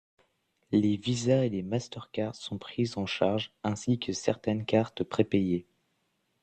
Les Visa et les Mastercard sont prises en charge, ainsi que certaines cartes prépayées.